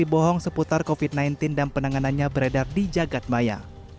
informasi bohong seputar covid sembilan belas dan penanganannya beredar di jagad maya